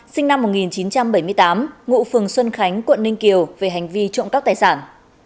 sinh năm một nghìn chín trăm bảy mươi tám ngụ phường xuân khánh quận ninh kiều về hành vi trộm cắp tài sản